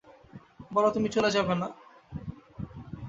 বলো তুমি চলে যাবে না।